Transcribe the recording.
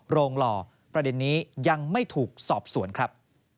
หล่อประเด็นนี้ยังไม่ถูกสอบสวนครับ